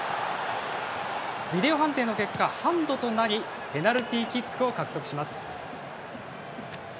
ビデオ判定の結果ハンドとなりペナルティーキックを獲得します。